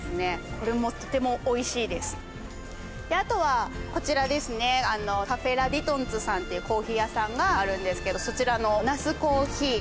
これもとてもおいしいですであとはこちらですねＣａｆｅＬａＤｅｔｅｎｔｅさんっていうコーヒー屋さんがあるんですけどそちらの那須珈琲